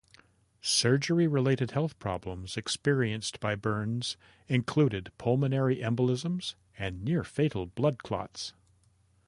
Surgery-related health problems experienced by Burns included pulmonary embolisms and near-fatal blood clots.